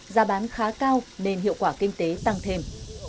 giá bán khá cao nên hiệu quả kinh tế tăng thêm